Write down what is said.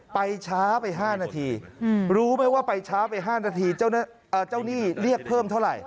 ไปช้าไป๕นาทีรู้ไหมว่าไปช้าไป๕นาทีเจ้าหนี้เรียกเพิ่มเท่าไหร่